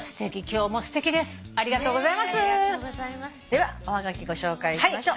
ではおはがきご紹介しましょう。